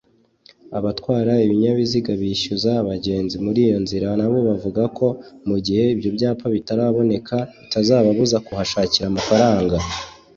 Abatwara ibinyabiziga byishyuza abagenzi muri iyo nzira nabo bavuga ko mu gihe ibyo byapa bitaraboneka bitazababuza kuhashakira amafaranga